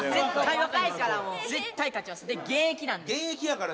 現役やから絶対勝ちます。